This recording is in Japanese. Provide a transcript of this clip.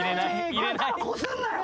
頭こすんなよ！